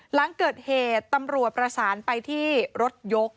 หลังเกิดเหตุตำรวจประสานไปที่รถยก